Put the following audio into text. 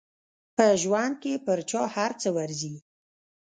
په ژوند کې پر چا هر څه ورځي.